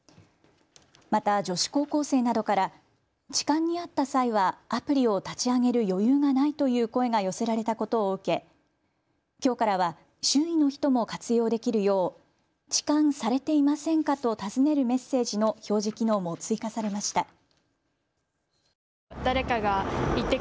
また、女子高校生などから痴漢に遭った際はアプリを立ち上げる余裕がないという声が寄せられたことを受け、きょうからは周囲の人も活用できるようちかんされていませんか？と尋ねるメッセージの表示機能も追加されました。